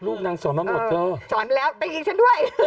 ลูกนางสอนแล้วหมด